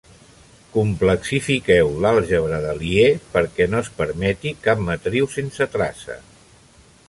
Complexifiqueu l'àlgebra de Lie perquè no es permeti cap matriu sense traça.